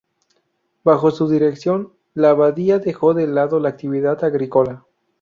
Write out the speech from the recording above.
Bajo su dirección, la abadía dejó de lado la actividad agrícola.